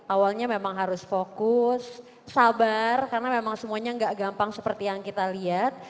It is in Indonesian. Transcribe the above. awalnya memang harus fokus sabar karena memang semuanya nggak gampang seperti yang kita lihat